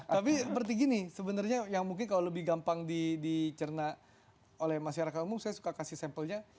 tapi seperti gini sebenarnya yang mungkin kalau lebih gampang dicerna oleh masyarakat umum saya suka kasih sampelnya